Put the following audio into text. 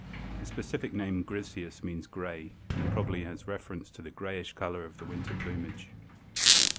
The specific name griseus means gray, and probably has reference to the grayish color of the winter plumage.